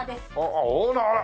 ああオーナーあら！